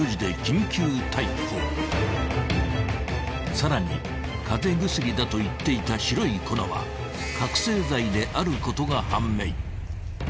［さらに風邪薬だと言っていた白い粉は覚醒剤であることが判明］